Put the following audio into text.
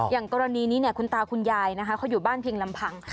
อย่างกรณีนี้คุณตาคุณยายนะคะเขาอยู่บ้านเพียงลำพัง